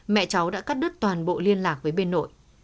mẹ cháu đã cắt đứt toàn bộ liên lạc với bên nội